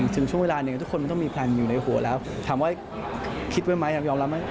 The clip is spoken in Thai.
ถึงช่วงเวลาหนึ่งทุกคนมันต้องมีแพลนอยู่ในหัวแล้วถามว่าคิดไว้ไหมยอมรับไหม